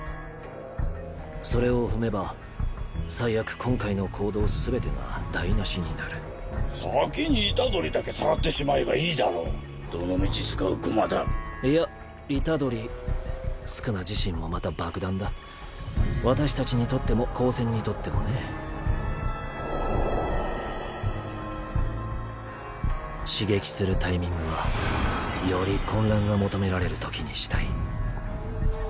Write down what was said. それを踏めば最悪今回の行動全てが台なしになる先に虎杖だけさらってしまえばいいだどのみち使う駒だいや虎杖宿儺自身もまた爆弾だ私たちにとっても高専にとってもね刺激するタイミングはより混乱が求められるときにしたい。